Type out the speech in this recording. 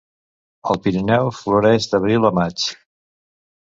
Al Pirineu floreix d'abril a maig.